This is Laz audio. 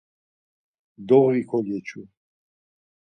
Doği kogeçu.